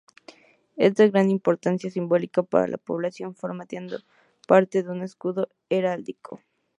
Es de gran importancia simbólica para la población, formando parte de su escudo heráldico.